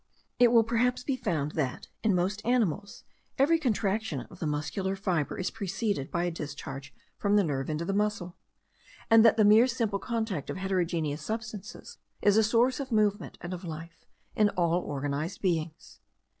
It will perhaps be found that, in most animals, every contraction of the muscular fibre is preceded by a discharge from the nerve into the muscle; and that the mere simple contact of heterogeneous substances is a source of movement and of life in all organized beings.